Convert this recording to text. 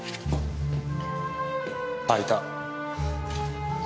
あいた。